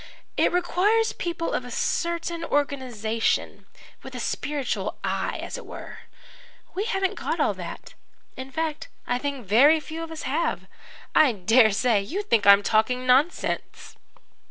It requires people of a certain organization with a spiritual eye, as it were. We haven't all got that in fact, I think very few of us have. I dare say you think I'm talking nonsense."